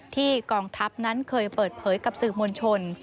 กองทัพนั้นเคยเปิดเผยกับสื่อมวลชน